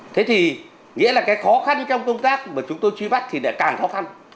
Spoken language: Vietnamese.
thế thì nghĩa là cái khó khăn trong công tác mà chúng tôi truy bắt thì lại càng khó khăn